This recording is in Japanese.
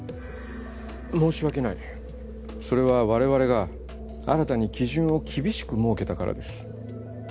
申し訳ないそれは我々が新たに基準を厳しく設けたからです